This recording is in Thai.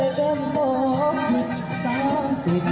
กลับมาเท่าไหร่